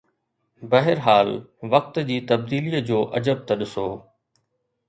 بهرحال وقت جي تبديليءَ جو عجب ته ڏسو.